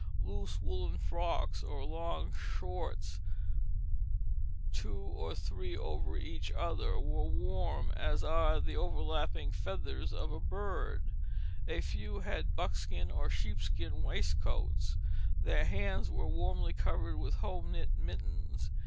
Loose woollen frocks, or long shorts, two or three over each other, were warm as are the overlapping feathers of a bird; a few had buckskin or sheepskin waistcoats; their hands were warmly covered with home knit mittens.